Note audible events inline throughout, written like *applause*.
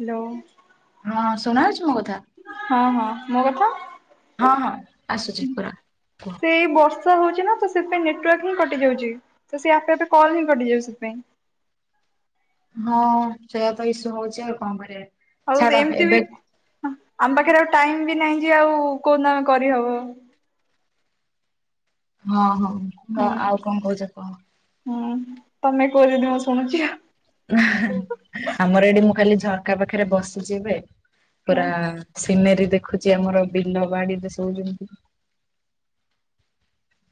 Hello ହଁ ଶୁଣାହଉଛି ମୋ କଥା? ହଁ ହଁ ମୋ କଥା? ହଁ ହଁ ଆସୁଛି ପୁରା କୁହ। ସେ ବର୍ଷ ର୍ଷା ହଉଛି ନା ତ ସେଥିପାଇଁ ନେଟୱାର୍କ ହିଁ କଟିଯାଉଚି, ତ ସେ ଆପେ ଆପେ କଲ୍ ହିଁ କଟିଯାଉଛି ସେଥିପାଇଁ। ହଁ ସେୟା ତ ଇସ୍ୟୁ ହଉଛି ଆଉ କଣ କରିବା। ହଉ ଛାଡ ଏମିତି ବି ଏବେ ଆମ ପାଖରେ ଆଉ ଟାଇମ୍ ବି ନାହିଁ ଯେ ଆଉ କୋଉଦିନ ଆମେ କରିହବ। ହଁ ହଁ *unintelligible* ହୁଁ ଆଉ କଣ କହୁଛ କହ? ହୁଁ ତମେ କୁହ ଯଦି ମୁଁ ଶୁଣୁଛି ଆଉ। ଆମର ଏଠି ମୁଁ ଖାଲି ଝରକା ପାଖରେ ବସିଚି ଏବେ ହଁ ପୁରା ସିନେରୀ ଦେଖୁଛି ଆମର ବିଲ ବାଡ଼ିରେ ସବୁ ଯେମିତି।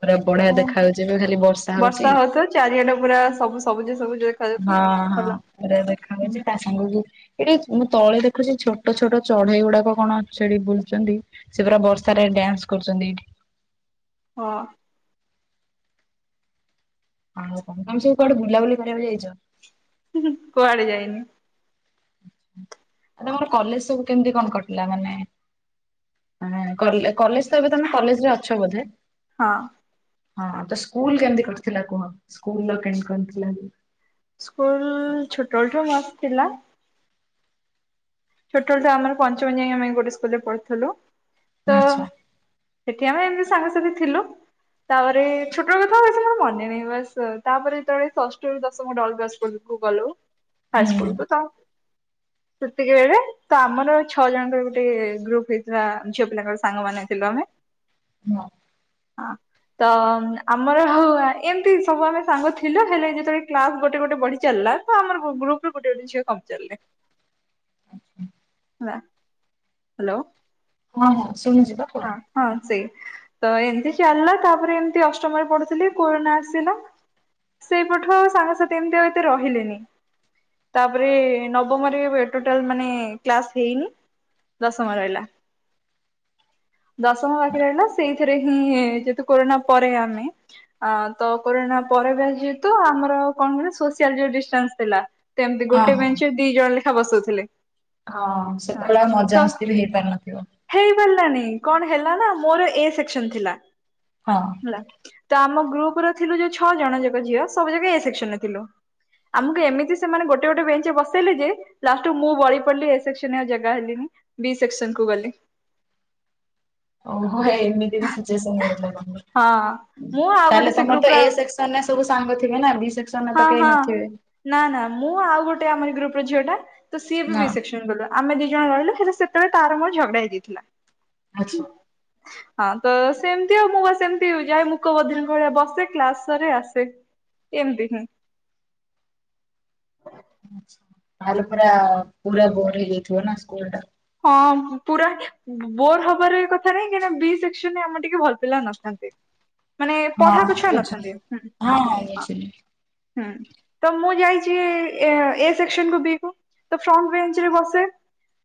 ପୁରା ବଢିଆ ଓ ଦେଖାଯାଉଛି, ଏବେ ଖାଲି ବର୍ଷା ହଉଛି। ବର୍ଷା ହଉଥିବ ଚାରିଆଟେ ପୁରା ସବୁ ସବୁଜ ସବୁଜ ଦେଖାଯାଉ ହଁ ହଁ ପୁରା ଦେଖାହଉଛି ତା ସାଙ୍ଗକୁ ଏଇଟି ମୁଁ ତଳେ ଦେଖୁଛି ଛୋଟ ଛୋଟ ଚଢ଼େଇ ଗୁଡ଼ାକ କଣ ସେଠି ବୁଲୁଚନ୍ତି। ସେ ପୁରା ବର୍ଷାରେ ଡ୍ୟାନ୍ସ କରୁଛନ୍ତି ଏଇଠି। ହଁ ଆଉ କଣ ତମେ ସବୁ କୁଆଡେ ବୁଲାବୁଲି କରିବାକୁ ଯାଇଛ? କୁଆଡେ ଯାଇନି। ଆଉ ତମର କଲେଜ୍ ସବୁ କେମିତି କଣ କଟିଲା ମାନେ ଆ, ହେଁ କଲେ କଲେଜ୍ ତ ଏବେ ତମେ କଲେଜରେ ଅଛ ବୋଧେ? ହଁ ହଁ, ତ ସ୍କୁଲ୍ କେମିତି କଟିଥିଲା କୁହ? ସ୍କୁଲଲ୍ କେମିତି କଣ ଥିଲା ଆଜି? ସ୍କୁଲ୍ ଛୋଟବେଳଠୁ ମସ୍ଥ୍ ଥିଲା। ଛୋଟବେଳଠୁ ଆମର ପଞ୍ଚମ ଯାଇଁ ଆମେ ଗୋଟେ ସ୍କୁଲରେ ପଢ଼ିଥିଲୁ। ତ ଆଚ୍ଛା ସେଠି ଆମେ ଏମିତି ସାଙ୍ଗସାଥି ଥିଲୁ। ତାପରେ ଛୋଟବେଳୁ କଣ କଥା ମୋର ମନେ ନାହିଁ ବାସ୍, ତାପରେ ଯେତେବେଳେ ଷଷ୍ଟରୁ ଦଶମ ଡଲ୍ କୁ ଆସି ସ୍କୁଲକୁ ଗଲୁ, ହୁଁ ଫାଷ୍ଟଫୁଡ଼କୁ ତ *unintelligible* ତ ଆମର ଛଅ ଜଣଙ୍କର ଗୋଟେ ଗ୍ରୁପ୍ ହେଇଥିଲା ଝିଅ ପିଲାଙ୍କର ସାଙ୍ଗମାନେ ଥିଲୁ ଆମେ। *unintelligible* *inaudible* ତ ଆମର ହୋଉ ଆ ଏମତି ସବୁ ଆମେ ସାଙ୍ଗ ଥିଲୁ, ହେଲେ ଯେତେବେଳେ କ୍ଲାସ୍ ଗୋଟେ ଗୋଟେ ବଢ଼ି ଚାଲିଲା ତ ଆମର ଗ୍ରୁ ଗ୍ରୁପ୍ ରୁ ଗୋଟେ ଗୋଟେ ଝିଅ କମି ଚାଲିଲେ। ଆଚ୍ଛା ହେଲା, ହ୍ୟାଲୋ। ହଁ ହଁ ଶୁଣୁଛି ପା। କୁହ ହଁ ହଁ ସେଇ, ତ ଏମିତି ଚାଲିଲା ତାପରେ ଏମିତି ଅଷ୍ଟମରେ ପଢୁଥିଲି କୋରନା ଆସିଲା। ସେବଠୁ ଆଉ ସାଙ୍ଗସାଥି ଏମିତି ଆଉ ଏତେ ରହିଲେନି। ତାପରେ ନବମରେ ଏବେ ଟୋଟାଲ୍ ମାନେ କ୍ଲାସ୍ ହେଇନି। ଦଶମ ରହିଲା। ଦଶମ ବାକି ରହିଲା। ସେଇଥିରେ ହିଁ ଯେହେତୁ କରୋନା ପରେ ଆମେ ଆ ତ କୋରୋନା ପରେ ବି ଯେହେତୁ, ଆମର କଣ ହୁଏନା? ସୋସିଆଲ ଯୋଉ ଡିଷ୍ଟାନ୍ସ ଥିଲା କେମ୍ ତି, ହଁ ଗୋଟେ ହଁ ବେଞ୍ଚ୍ ରେ ଦି ଜଣ ଲେଖା ବସଉଥିଲେ। ହଁ ହଁ ସେତେବେଳେ ଆଉ ମଜାମସ୍ତି ବି ହେଇ ପାରିନଥିବ। ହେଲାନି, କଣ ହେଲା ନା, ମୋର ଏ ସେକ୍ସନ୍ ଥିଲା। ହଁ। ହେଲା, ତ ଆମ ଗ୍ରୁପ୍ ରେ ଥିଲୁ ଯଉ ଛଅ ଜଣ ଯାକ ଝିଅ, ସବୁ ଯାକ ଏ ସେକ୍ସନ୍ ରେ ଥିଲୁ। ଆମକୁ ଏମିତି ସେମାନେ ଗୋଟେ ଗୋଟେ ବେଞ୍ଚ୍ ରେ ବସେଇଲେ ଯେ ଲାଷ୍ଟୁ ମୁଁ ବଳି ପଡ଼ିଲି, ଏ ସେକ୍ସନ୍ ରେ ଆଉ ଜାଗା ହେଲିନି। ବି ସେକ୍ସନ୍ କୁ ଗଲି। ଓହୋ, ଏମିତି ବି ସିଚୁଏସନ୍ ମିଳିଥିଲା ତମକୁ। ହଁ ମୁଁ ଆଉ ଗୋଟେ ତାହେଲେ ସେ ତମର ଗ୍ରୁପ ତ ର ଏ ସେକ୍ସନ୍ ରେ ସବୁ ସାଙ୍ଗ ଥିବେ ନା। ବି ସେକ୍ସନ୍ ରେ ହଁ ତ କେହି ହଁ। ନଥିବେ? ନା ନା, ମୁଁ ଆଉ ଗୋଟେ ଆମରି ଏ ଗ୍ରୁପ୍ ର ଝିଅଟା, ତ ସିଏ ବି ନା ବି ସେକ୍ସନ୍ କୁ ଗଲା। ଆମେ ଦି ଜଣ ରହିଲୁ। ହେଲେ ସେତେବେଳେ ତାର ମୋର ଝଗଡ଼ା ହେଇଯାଇଥିଲା। ଆଛା। ହଁ ତ ସେମିତି ଆଉ, ମୁଁ ପା ସେମିତି ଯାଏ, ମୁକ ବଧିରଙ୍କ ଭଳିଆ ବସେ, କ୍ଲାସ ସାରେ ଆସେ। ଏମ୍ ତି ହୁଁ। ତାହେଲେ ପୁରା, ପୁରା ବୋର୍ ହେଇଯାଇଥିବ ନା ସ୍କୁଲ୍ ଟା। ହଁ, ପୁରା ବୋର୍ ହବାରେ କଥା ନାହିଁ। କାହିଁ ନା ବି ସେକ୍ସନ୍ ରେ ଆମର ଟିକେ ଭଲ ପିଲା ନଥାନ୍ତି। ମାନେ ପଢ଼ା ହଁ ପଢାକୁ ଛୁଆ ବୁଝିଲି ନଥାନ୍ତି। ହୁଁ ହଁ ହୁଁ, ତ ମୁଁ ଯାଇଚି ଏ ସେକ୍ସନ୍ କୁ ବି କୁ, ତ ଫ୍ରଣ୍ଟ୍ ବେଞ୍ଚ୍ ରେ ବସେ।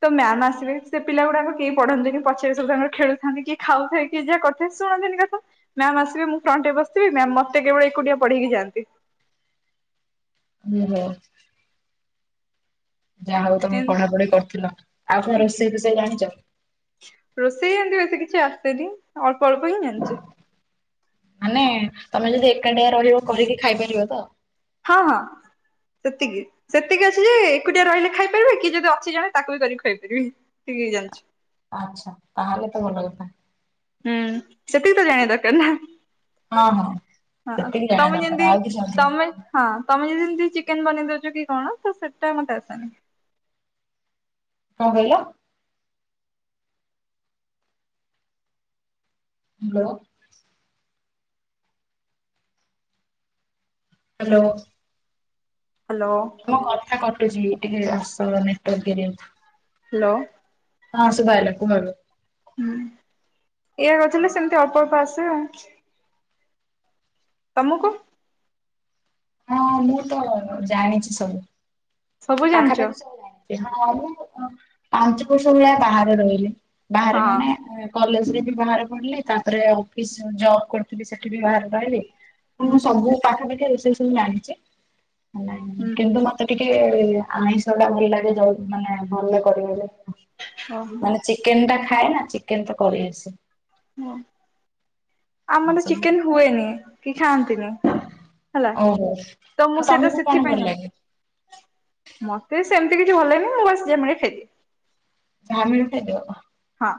ତ ମ୍ୟାମ୍ ଆସିବେ, ସେ ପିଲା ଗୁଡ଼ାକ କେହି ପଢ଼ନ୍ତିନି, ପଛରେ ସବୁ ତାଙ୍କର ଖେଳୁଥାନ୍ତି। କିଏ ଖାଉଥାଏ। କିଏ ଯାହା କରୁଥାଏ, ଶୁଣନ୍ତିନି କଥା ମ୍ୟାମ୍ ଆସିବେ, ମୁଁ ଫ୍ରଣ୍ଟ୍ ରେ ବସିଥିବି, ମ୍ୟାମ୍ ମତେ କେବଳ ଏକୁଟିଆ ପଢ଼େଇକି ଯାଆନ୍ତି। ଓହୋ। ଯାହା ହଉ ତମେ ଏମତି ପଢ଼ା ପଢ଼ି କରୁଥିଲ। ଆଉ କଣ ରୋଷେଇ ଫୋଷେଇ ଜାଣିଚ? ରୋଷେଇ ଏମତି ବେଶି କିଛି ଆସେନି, ଅଳ୍ପ ଅଳ୍ପ ହିଁ ଜାଣିଚି। ମାନେ ତମେ ଯଦି ଏକାଟିଆ ରହିବ କରିକି ଖାଇ ପାରିବ ତ? ହଁ ହଁ। ସେତିକି, ସେତିକି ଅଛି ଯେ, ଏକୁଟିଆ ରହିଲେ ଖାଇପାରିବି। କି ଯଦି ଅଛି ଜଣେ ତାକୁ ବି କରିକି ଖୋଇପାରିବି। ଏତିକି ଯାନ୍ ଚି। ଆଛା, ତାହେଲେ ତ ଭଲ କଥା। ହୁଁ, ସେତିକି ତ ଜାଣିବା ଦରକାର ନା? ହଁ ହଁ ହଁ, ସେତିକି ଜାଣିବା ତମେ ଯେମିତି ଦରକାର ଆଉ କିଛି ଅଧିକ ତମେ କଣ ହଁ, ତମେ ଯେମିତି ଚିକେନ୍ ବନେଇ ଦଉଚ କି କଣ, ତ ସେଟା ମତେ ଆସେନି। କଣ କହିଲ? ହାଲୋ। ହାଲୋ। ହାଲୋ। ତମ କଥା କଟୁଚି, ଟିକେ ଆସ ନେଟ୍ ୱାର୍କ ଏରିଆକୁ। ହାଲୋ। ହଁ, ଶୁବା ହେଲା କୁହ ଏବେ? ହୁଁ, ଏଇଆ କରୁଥିଲେ, ସେମିତି ଅଳ୍ପ-ଅଳ୍ପ ଆସେ ଆଉ। ତମକୁ ହଁ ମୁଁ ତ ଜାଣିଛି ସବୁ ସବୁ ଜାଣିଛ ପାଖାପାଖି ସବୁ ଜାଣି ସେ ହଁ ମୁ ହଁ ପାଞ୍ଚ ବର୍ଷ ଭଳିଆ ବାହାରେ ରହିଲି ବାହାରେ ହଁ ମାନେ ଏ କଲେଜ୍ ରେ ବି ବାହାରେ ପଢ଼ିଲି ତାପରେ ଅଫିସ୍ ଜବ୍ କରୁଥିଲି ସେଠି ବି ବାହାରେ ରହିଲି। ମୁଁ ହୁଁ ସବୁ ପାଖାପାଖି ରୋଷେଇ ସବୁ ଜାଣିଛି ହୁଁ କିନ୍ତୁ ମ ତେ ଟିକେ ଆଇଁଷଟା ଭଲ ଲାଗେ ଯୋଉ ମାନେ ଭଲ କରିବାରେ ଓହୋ ମାନେ ଚି ଚିକେନ୍ ଟା ଖାଏନା ଚିକେନ୍ ତ କରିନି ସେ। ହଁ ଆମର ସବୁ। ଚିକେନ୍ ହୁଏନି କି ଖାଆନ୍ତିନି। ହେଲା ଓହୋ ତ ମୁଁ ସେଇଟା ତମକୁ କଣ ଭଲ ସେଥିପାଇଁ ନୁ ଲାଗେ ମତେ ସେମିତି କିଛି ଭଲାଗେନି ମୁଁ ବାସ୍ ଯାହି ମିଳେ ଖାଇଦିଏ। ଯାହା ମିଳିବ ଖାଇଦବ ହଁ।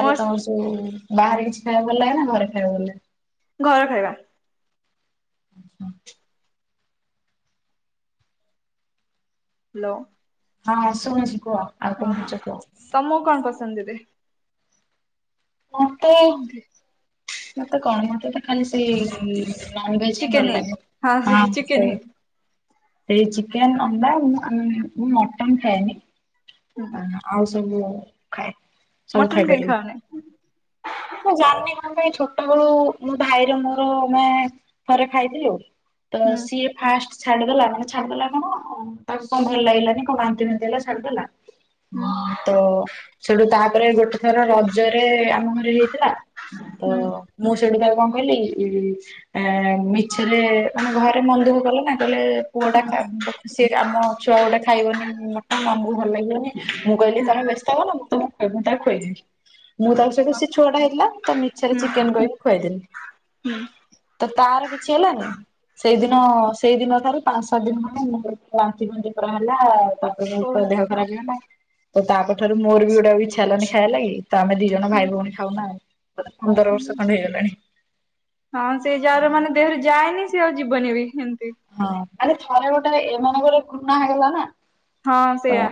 ମୋ ତ ଯୋଉ ବାହାରେ କିଛି ଖାଇବାକୁ ଭଲ ଲାଗେ ନା ଘରେ ଖାଇବାକୁ ଭଲ ଲାଗେ? ଘର ଖାଇବା। ଲୋ। ହଁ ଶୁଣୁଛି କୁହ ଆଉ କଣ କହୁଛ କୁହ? ତମକୁ କଣ ପସନ୍ଦ ଦିଦି? ମତେ *unintelligible* ମତେ କଣ ମତେ ତ ଖାଲି ସେ ନନ୍ ଭେଜ୍ ହିଁ ଚିକେନ ଭଲ ଲାଗେ ସେ ହଁ ଚିକେନ ସେଇ। ଏଇ ଚିକେନ୍ ଅଣ୍ଡା ଉଁ ମୁଁ ମଟନ୍ ଖାଏନି। ହୁଁ ଆଉ ସବୁ ଖାଏ ସବୁ ମଟନ କାଇଁ ଖାଇପାରିବି। ଖାଅନି? ମୁଁ ଜାଣିନି ମୋ ପାଇଁ ଛୋଟ ବେଳୁ ମୋ ଭାଇର ମୋର ମେ ଥରେ ଖାଇଥିଲୁ ତ ହୁଁ ସିଏ ଫାଷ୍ଟ୍ ଛାଡିଦେଲା ଛାଡିଦେଲା କଣ ତାକୁ କଣ ଭଲ ଲାଗିଲାନି କ ବାନ୍ତି ଫାନ୍ତି ହେଲା ଛାଡିଦେଲା ହୁଁ, *unintelligible* ତ ସେଠୁ ତାପରେ ଗୋଟେ ଥର ରଜରେ ଆମ ଘରେ ହେଇଥିଲା ତ ହୁଁ ମୁଁ ସେଠୁ ତାକୁ କଣ କହିଲିି ଏଁ ମିଛେରେ ମାନେ ଘରେ ମନ୍ ଦୁଖ କଲେ ନା କହିଲେ ପୁଅ ଟା ଖାବ। ସିଏଟା ଆମ ଛୁଆ ଗୋଟେ ଖାଇବନି ମଟନ୍ ଆମୁକୁ ଭଲ ଲାଗିବନି ମୁଁ କହିଲି ତମେ ବ୍ୟସ୍ତ ହୁଅନା ମୁଁ ତମକୁ ଖୁଆ ମୁଁ ତାକୁ ଖୁଆଇଦେବି। ମୁଁ ତାକୁ ସେଇଠୁ ସେ ଛୁଆଟା ହେଇଥିଲା ତ ମିଛେରେ ହୁଁ ଚିକେନ୍ କହି ଖୁଆଇଦେଲିି। ତ ତାର କିଛି ହେଲାନି ହୁଁ ସେଇଦିନ ସେ ସେଇଦିନ ଠାରୁ ପାଞ୍ଚ୍ ସାତ ଦିନି ଖଣ୍ଡେ ବାନ୍ତି ଫାନ୍ତି ପରା ହେଲା ତାପରେ ଓ ତା ଦେହ ଖରାପ୍ ହେଇଗଲା ତ ତା ପରଠାରୁ ମୋର ବି ଗୋଟେ ଆଉ ଇଛା ହେଲନି ଖାଇଆ ଲାଗି ତ ଆମେ ଦି ଜଣ ଭାଇ ଭଉଣୀ ଖାଉନାଉ ଗତ ପନ୍ଦର ବର୍ଷ ଖଣ୍ଡେ ହେଇଗଲାଣି। ହଁ ସେ ଯାର ମାନେ ଦେହେରେ ଯାଏନି ସିଏ ଆଉ ଯିବନି ବି ଏମତି। ହଁ। ତାପରେ ହଁ ସେଇଆ।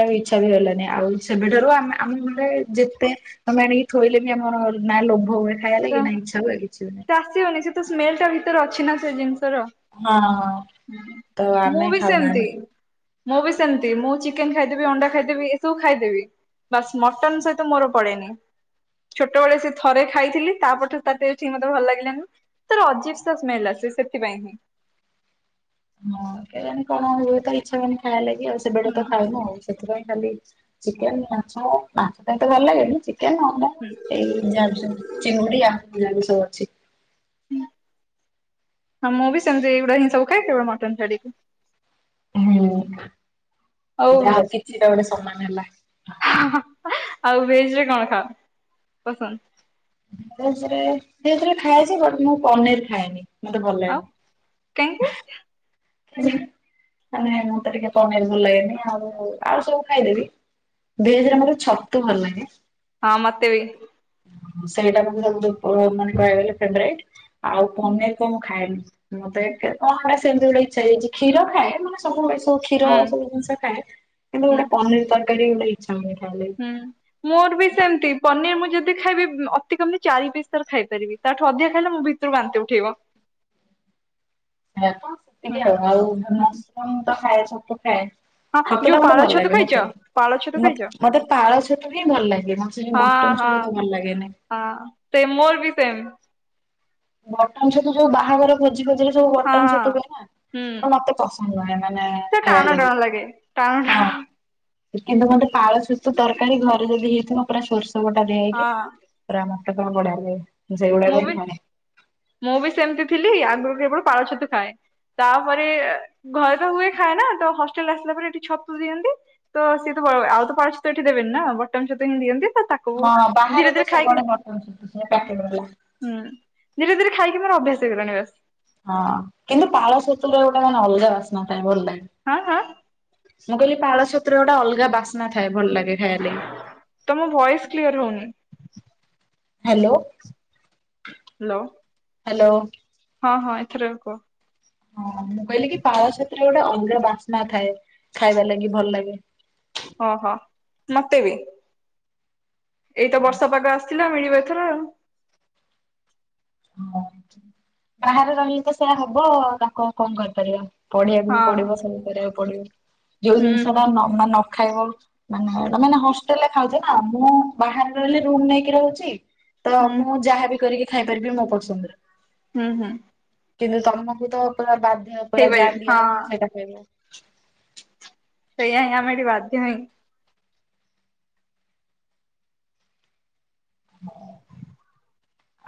ଆଉ ଇଚ୍ଛା ବି ହେଲାନି ଆଉ ସେବେଠାରୁ ଆମେ ଆମ ଘରେ ଯେତେ ତମେ ଆଣିକି ଥୋଇଲେ ବି ଆମର ନା ଲୋଭ ହୁଏ ଖାଇଆ ସେ ଲାଗି ନା ଇଛା ହୁଏ କିଛି ବି ନାଇଁ। ସେ ଆସିବନି ସେ ତ ସ୍ମେଲ୍ ଟା ଭିତରେ ଅଛି ନା ସେ ଜିନିଷର। ହଁ ତ ମୁଁ ଆମେ ବି ଖାଉନା ସେମ୍ ଆମେ ତି। ମୁଁ ବି ସେମିତି ମୁଁ ଚିକେନ୍ ଖାଇଦେବି ଅଣ୍ଡା ଖାଇଦେବି ଏସବୁ ଖାଇଦେବି। ବାସ୍ ମଟନ୍ ସହିତ ମୋର ପଡେନି ଛୋଟବଳେ ସେ ଥରେ ଖାଇଥିଲି ତା ପରଠାରୁ ତା ଟେଷ୍ଟ୍ ହିଁ ମତେ ଭଲ୍ ଲାଗିଲାନି ତାର ଅଜୀବ୍ ସା ସ୍ମେଲ୍ ଆସେ ସେଥି ପାଇଁ ହିଁ। ହଁ କେଜାଣି କଣ ହୁଏ ତ ଇଚ୍ଛା ହୋଉନି ଖାଇବାଲାଗି ଆଉ ସେବେଠୁ ତ ହୁଁ ଖାଉନୁ ଆଉ। ସେଥିପାଇଁ ଖାଲି ଚିକେନ ମାଛ ମାଛ ପାଇଁ ତ ଭଲ ଲାଗେନି ଚିକେନ ଅଣ୍ଡା ଏଇ। ଯାଉଛନ୍ତି ଚିଙ୍ଗୁଡି ଆ ଜାନିରାମିଷ ଅଛି। ହଁ ମୁଁ ବିି ସେମତୀ ଏଉଡା ହି ସବୁ ଖାଏ କେବଳ ମଟନ ଛାଡିକି। ହୁଁ ଆଉ ଯାହାଉ କିଛି ତ ଗୋଟେ ସମାନ ହେଲା। ଆଉ ଭେଜ ରେ କଣ ଖାଅ ପସନ୍ଦ? ଭେଜ ରେ ଖାଏ ଯେ ବଟ ମୁଁ ପନିର ଖାଏନି ମତେ ଭଲ ଲାଗେନି। କାଇଁକି? ମାନେ ମତେ ଟିକେ କଁ ପାଇଁ ଭଲ ଲାଗେନି ଆଉ ଆଉ ସବୁ ଖାଇଦେବି। ଭେଜ ରେ ମତେ ଛତୁ ଭଲ ଲାଗେ। ହଁ ମତେ ବି। ସେଇଟା ମାନେ ସବୁଠୁ କହିବାକୁ ଗଲେ ଫେବ୍ରାଇଟ ଆଉ ପନିର ତ ମୁ ଖାଏନି। ମତେ କଣ ସେମିତି ଗୋଟେ ଇଛା ହେଇ ଜାଇଛି ଖୀର ଖାଏ। ମାନେ ସବୁ ଏ ସବୁ କ୍ଷୀର ହୁଁ ସବୁ ଜିନିଷ ଖାଏ କିନ୍ତୁ ହୁଁ ଗୋଟେ ପନିର ତରକାରୀ ଗୋଟେ ଇଚ୍ଛା ହୁଏନି ଖାଇବା ଲାଗି। ହୁଁ ମୋର ବି ସେମିତି ପନିର ମୁଁ ଯଦି ଖାଇବି ଅତି କମ୍ ରେ ଚାରି ପିସ ତା ର ଖାଇପାରିବି। ତାଠୁ ଅଧିଆ ଖାଇଲେ ମୋ ଭିତରୁ ବାନ୍ତି ଉଠେଇବ। ଇୟାତ ହୁଁ ସେତିକି ଆଉ ଆଉ ହୁଁ ମସୁରମ ତ ଖାଏ ଛତୁ ଖାଏ। ହଁ ଛତୁ ଯୋଉ ଟା ମତେ ପାଳ ଭଲ ଛତୁ ଲାଗେ। ଖାଇଛ *unintelligible* ପାଳ ଛତୁ ମତ ଖାଇଛ? ମତେ ପାଳ ଛତୁ ହିଁ ଭଲ ଲାଗେ ମତେ ହଁ ବଟନ ହଁ ଛତୁ ଟା ଭଲ ଲାଗେନାଇଁ। ହଁ ସେ ମୋର ବି ସେମ। ବଟନ ଛତୁ ଯୋଉ ବାହାଘର ଭୋଜି ଭୋଜିରେ ସବୁ ହଁ ବଟନ ହଁ। ଛତୁ ହୁଏ ନା ହୁଁ ତ ମତେ ପସନ୍ଦ ନୁହେଁ ମାନେ ସେ ଟାଣ ଖାଇବା ଟାଣ ଲାଗି। ହଁ। *unintelligible* କିନ୍ତୁ ମତେ ପାଳ ଛତୁ ତରକାରୀ ଘରେ ଯଦି ହେଇଥିବ ପୁରା ସୋରଷ ବଟା ଦିଆ ହେଇକି। ହଁ ତ ମତେ ପୁରା ବଢିଆ ଲାଗେ ମୁଁ ସେଗୁଡା ମୁଁ କ ହିଁ ବି ଖା ଏ। ମୁଁ ବି ସେମିତି ଥିଲି ଆଗରୁ କେବଳ ପାଳ ଛତୁ ଖାଏ। ତାପରେ ଘରେ ତ ହୁଏ ଖାଏ ନା ତ ହଷ୍ଟେଲରେ ଆସିଲା ପରେ ଏଠି ଛତୁ ଦିଅନ୍ତି। ତ ସିଏ ତ ଆଉ ତ ପାଳ ଛତୁ ଏଠି ଦେବେନି ନା ବଟମ ଛତୁ ହିଁ ଦିଅନ୍ତି ତ ତା ହଁ ବାହାରେ ତ ସବୁଆଡେ ବଟନ୍ ଛତୁ ହଁ ପ୍ୟାକେଟ ବାଲା। ହୁଁ ଧୀରେ ଧୀରେ ଖାଇକି ମୋର ଅଭ୍ୟାସ ହେଇଗଲାଣି ବାସ। ହଁ କିନ୍ତୁ ପାଳ ଛତୁରେ ଗୋଟେ ମାନେ ଅଲଗା ବାସ୍ନା ଥାଏ ଭଲ ଲାଗେ। ଆଁ ଆଁ। ମୁଁ କହିଲି ପାଳ ଛତୁ ରେ ଗୋଟେ ଅଲଗା ବାସ୍ନା ଥାଏ ଭଲ ଲାଗେ। ଖାଇବା ଲାଗି। ତମ ଭଏସ କ୍ଲିୟର ହଉନି। ହ୍ୟାଲୋ। ହ୍ୟାଲୋ। ହ୍ୟାଲୋ। ହଁ ହଁ ଏଥର କୁହ। ହଁ ମୁଁ କହିଲି କି ପାଳ ଛତୁ ରେ ଗୋଟେ ଅଲଗା ବାସ୍ନା ଥାଏ ଖାଇବା ଲାଗି ଭଲ ଲାଗେ। ଓହୋ ମତେ ବି ଏଇତ ବର୍ଷ ପାଗ ଆସ ସିଲା ମିଳିବ ଏଥର ଆଉ। ବାହାରେ ରହିଲେ ତ ସେଇଆ ହବ ଆଉ ତାକୁ ଆଉ କଣ କରିପାରିବା ପଢିବାକୁ ବି ହଁ। ପଡିବ ସବୁ କରିବାକୁ ପଡିବ ଯୋଉ ହୁଁ ହୁଁ ଜିନିଷଟା ମା ମାନେ ନ ଖାଇବ ମାନେ ତମେ ଏଇନା ହଷ୍ଟେଲରେ ଖାଉଛ ନା ମୁଁ ବାହାରେ ରହିଲେ ରୁମ ନେଇକି ରହୁଛି। ତ ହୁଁ ମୁଁ ଯାହାବି କରିକି ଖାଇପାରିବି ମୋ ପସନ୍ଦରେ। ହୁଁ ହୁଁ। କିନ୍ତୁ ତମକୁ ତ ପୁରା ବାଧ୍ୟ ପୁରା ଯାହା ଦିଆ ହବ ସେଇଟା ଖାଇବ। ସେୟାହିଁ ଆମେ ଏଠି ବାଧ୍ୟ ହିଁ।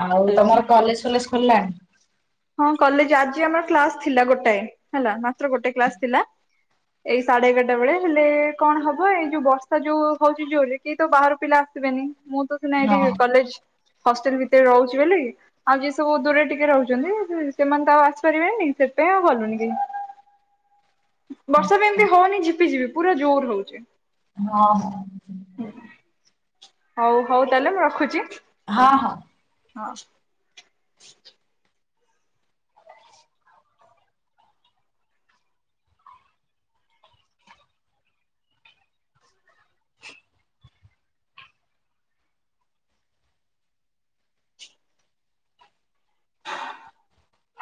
ଆଉ ହ୍ୟାଲୋ। ତମର କଲେଜ୍ ଫଲେଜ୍ ଖୋଲିଲାଣି? ହଁ କଲେଜ ଆଜି ଆମର କ୍ଲାସ ଥିଲା ଗୋଟାଏ ହେଲା। ମାତ୍ର ଗୋଟେ କ୍ଲାସ ଥିଲା। ଏଇ ସାଢେ ଏଗାରଟା ବେଳେ ହେଲେ କଣ ହବ ଏଇ ଯୋଉ ବର୍ଷା ଯୋଉ ହୋଉଚି ଜୋରେ କେହି ତ ବାହାରୁ ପିଲା ଆସିବେନି ମୁଁ ତ ନାଇଁ ଏଠି ହଁ କଲେଜ ହଷ୍ଟେଲ ଭିତରେ ରହୁଚି ବୋଲି ଆଉ ଯିଏ ସବୁ ଦୂରରେ ଟିକିଏ ରହୁଚନ୍ତି। ସେମାନେ ତ ଆଉ ଆସିପାରିବେନି। ସେଥିପାଇଁ ଆଉ ଗଲୁନି କେହି। ବର୍ଷା ବି ଆଚ୍ଛା ଏମିତି ହୋଉନି ଝିପି ଝିପି। ପୁରା ଜୋରେ ହୋଉଚି। ହଁ ହଁ। ହଉ ହଉ ତାହେଲେ ମୁଁ ରଖୁଚି। ହଁ ହଁ। ହ।